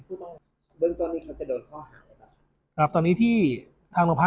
เบื้องตอนนี้เขาจะโดนข้อหาหรือเปล่า